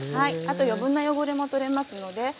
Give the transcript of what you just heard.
あと余分な汚れも取れますので。